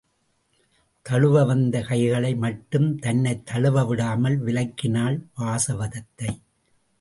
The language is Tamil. தழுவ வந்த கைகளை மட்டும் தன்னைத் தழுவ விடாமல் விலக்கினாள் வாசவதத்தை.